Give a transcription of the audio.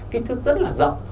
kích thước rất là rộng